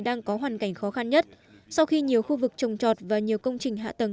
đang có hoàn cảnh khó khăn nhất sau khi nhiều khu vực trồng trọt và nhiều công trình hạ tầng